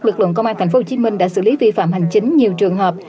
lực lượng công an tp hcm đã xử lý vi phạm hành chính nhiều trường hợp